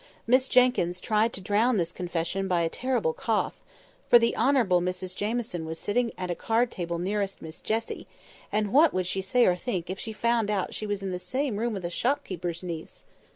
Miss Jenkyns tried to drown this confession by a terrible cough—for the Honourable Mrs Jamieson was sitting at a card table nearest Miss Jessie, and what would she say or think if she found out she was in the same room with a shop keeper's niece!